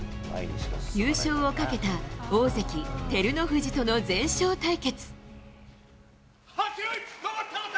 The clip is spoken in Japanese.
優勝をかけた大関・照ノ富士との全勝対決。